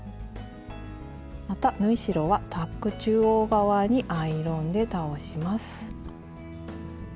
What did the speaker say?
また縫い代はタック中央側にアイロンで倒します。